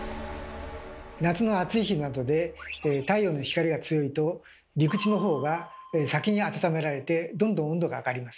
夏の暑い日などで太陽の光が強いと陸地のほうが先にあたためられてどんどん温度が上がります。